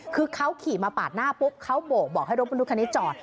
คือเขาขี่มาปาดหน้าปุ๊บเขาโบกบอกให้รถบรรทุกคันนี้จอด